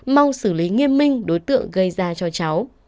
mong xử lý nghiêm minh đối tượng gây ra cho cháu